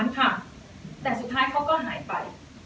ค่ะแต่สุดท้ายเขาก็หายไป